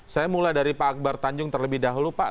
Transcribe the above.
saya mulai dari pak akbar tanjung terlebih dahulu pak